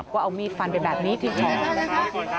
ว่าเอามีดฟันเป็นแบบนี้ที่ท้อง